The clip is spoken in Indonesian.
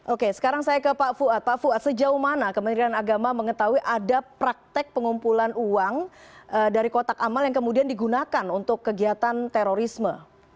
oke sekarang saya ke pak fuad pak fuad sejauh mana kementerian agama mengetahui ada praktek pengumpulan uang dari kotak amal yang kemudian digunakan untuk kegiatan terorisme